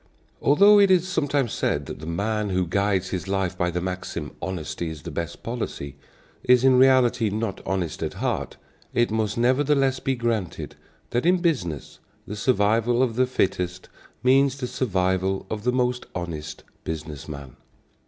Although it is sometimes said that the man who guides his life by the maxim, "Honesty is the best policy," is in reality not honest at heart, it must nevertheless be granted that in business the survival of the fittest means the survival of the most honest business man.